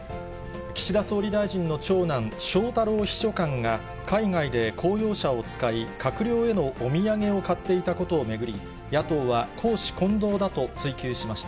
岸田総理大臣の長男、翔太郎秘書官が、海外で公用車を使い、閣僚へのお土産を買っていたことを巡り、野党は公私混同だと追及しました。